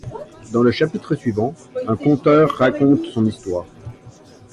Dans le chapitre suivant, un conteur raconte son histoire.